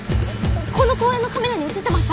この公園のカメラに映ってました。